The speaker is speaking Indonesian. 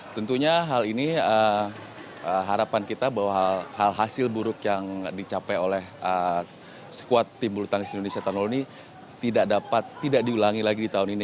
tentunya hal ini harapan kita bahwa hal hasil buruk yang dicapai oleh squad tim bulu tangkis indonesia tahun lalu ini tidak dapat tidak diulangi lagi di tahun ini